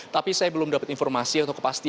tapi saya belum dapat informasi atau kepastian